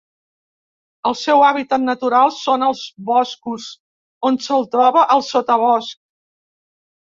El seu hàbitat natural són els boscos, on se'l troba al sotabosc.